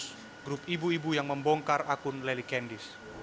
dan juga seorang ibu rumah tangga yang melacak keberadaan akun loli kendi